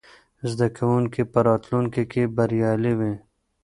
زده کوونکي به راتلونکې کې بریالي وي.